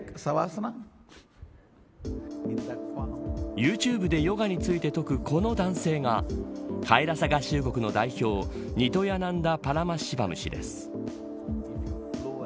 ユーチューブでヨガについて説く、この男性がカイラサ合衆国の代表ニトヤナンダ・パラマシヴァム氏です。